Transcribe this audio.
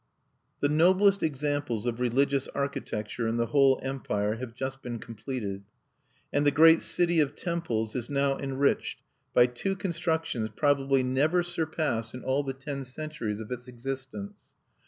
The noblest examples of religious architecture in the whole empire have just been completed; and the great City of Temples is now enriched by two constructions probably never surpassed in all the ten centuries of its existence.